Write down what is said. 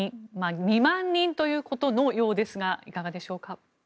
２万人ということのようですがいかがでしょうか。